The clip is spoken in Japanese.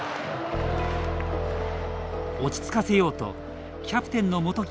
落ち着かせようとキャプテンの元木が声をかけます。